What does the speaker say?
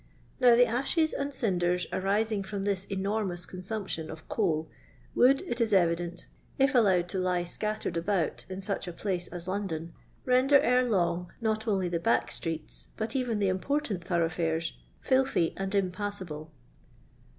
Now the ashes and cinders arising from this enormous consumption of coal would, it is evident, if allowed to lie 8catti>red about iu such a place as London, render, ere long, not only the back fctrects, but even the imp^)r tant thoroughfares, filihy and impassable.